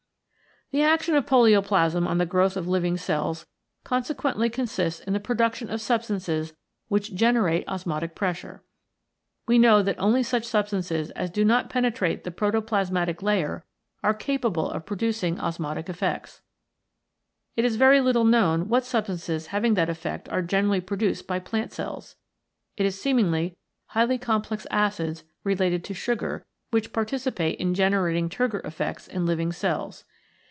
The action of polioplasma on the growth of living cells consequently consists in the production of substances which generate osmotic pressure. We know that only such substances as do not pene trate the protoplasmatic layer are capable of pro ducing osmotic effects. It is very little known what substances having that effect are generally produced by plant cells. It is seemingly highly complex acids related to sugar which participate in generating turgor effects in living cells.